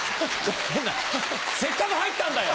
せっかく入ったんだよ！